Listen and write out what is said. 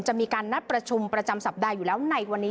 จะมีการนัดประชุมประจำสัปดาห์อยู่แล้วในวันนี้